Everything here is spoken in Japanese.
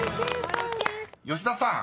［吉田さん